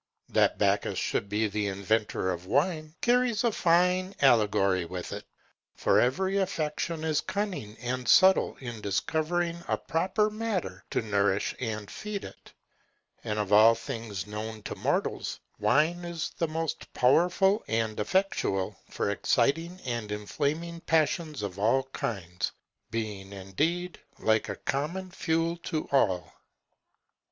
That Bacchus should be the inventor of wine, carries a fine allegory with it; for every affection is cunning and subtle in discovering a proper matter to nourish and feed it; and of all things known to mortals, wine is the most powerful and effectual for exciting and inflaming passions of all kinds, being, indeed, like a common fuel to all.